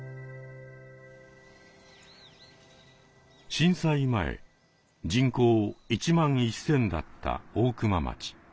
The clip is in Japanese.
震災前人口１万１，０００だった大熊町。